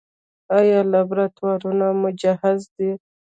آیا لابراتوارونه مجهز دي؟